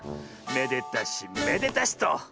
めでたしめでたし」と。